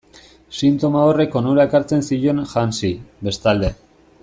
Sintoma horrek onura ekartzen zion Hansi, bestalde.